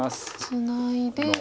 ツナいで。